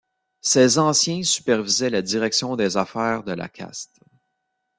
Ces anciens supervisaient la direction des affaires de la caste.